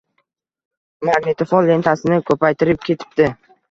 Magnitofon lentasini ko‘paytirib ketibdi.